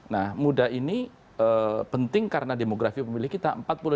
nah muda ini penting karena demografi pemilih kita